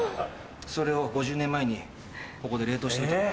それを５０年前にここで冷凍しておいたんだ。